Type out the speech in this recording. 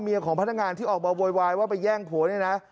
ของพนักงานที่ออกมาโวยวายว่าไปแย่งผัวเนี่ยนะ